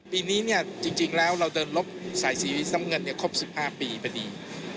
ปีนี้จริงแล้วเราเดินลบสายสีน้ำเงินครบ๑๕ปีพอดี